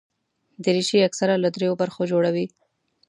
دریشي اکثره له درېو برخو جوړه وي.